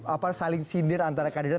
apa saling sindir antara kandidat